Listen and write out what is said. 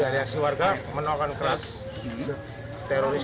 reaksi warga menolakan keras teroris